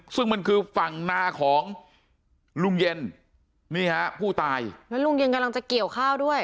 ซึ่งมันคือฝั่งนาของลุงเย็นนี่ฮะผู้ตายแล้วลุงเย็นกำลังจะเกี่ยวข้าวด้วย